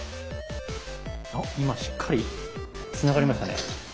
あっ今しっかりつながりましたね。